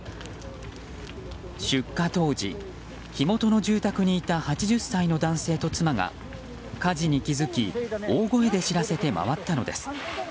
出火当時、火元の住宅にいた８０歳の男性と妻が火事に気付き、大声で知らせて回ったのです。